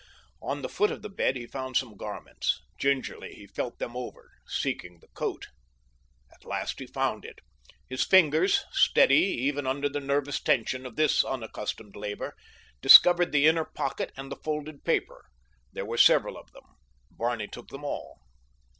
On the foot of the bed he found some garments. Gingerly he felt them over, seeking the coat. At last he found it. His fingers, steady even under the nervous tension of this unaccustomed labor, discovered the inner pocket and the folded paper. There were several of them; Barney took them all.